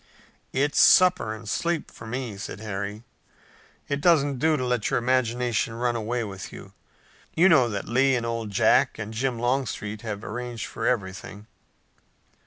"It's supper and sleep for me," said Harry. "It doesn't do to let your imagination run away with you. You know that Lee and Old Jack and Jim Longstreet have arranged for everything."